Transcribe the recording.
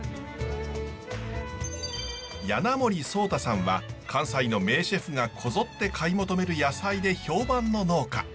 簗守壮太さんは関西の名シェフがこぞって買い求める野菜で評判の農家。